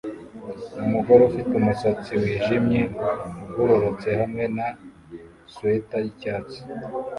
Umugore ufite umusatsi wijimye ugororotse hamwe na swater yicyatsi